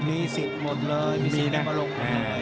มีสิทธิ์หมดเลยมีสิทธิ์มาลง